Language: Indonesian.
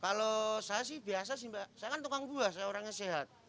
kalau saya sih biasa sih mbak saya kan tukang buah saya orangnya sehat